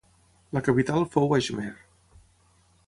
La capital fou Ajmer.